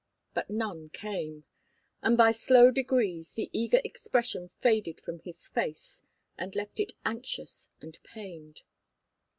But none came, and by slow degrees the eager expression faded from his face and left it anxious and pained.